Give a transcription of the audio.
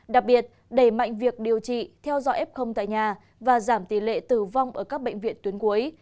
đặc biệt đẩy mạnh việc điều trị theo dõi f tại nhà và giảm tỷ lệ tử vong ở các bệnh viện tuyến cuối